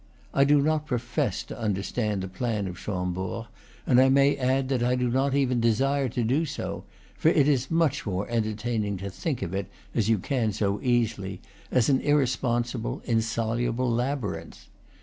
I do not profess to under stand the plan of Chambord, and I may add that I do not even desire to do so; for it is much more entertaining to think of it, as you can so easily, as an irresponsible, insoluble labyrinth.